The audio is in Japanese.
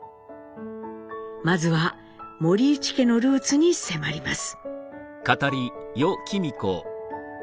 まずは森内家のルーツに迫ります。